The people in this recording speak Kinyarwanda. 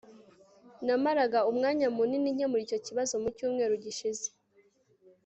namaraga umwanya munini nkemura icyo kibazo mucyumweru gishize